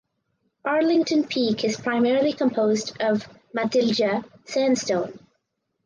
Arlington Peak is primarily composed of Matilija Sandstone